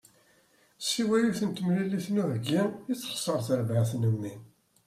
Siwa yiwet n temlilit n uheggi i texser terbaɛt n mmi.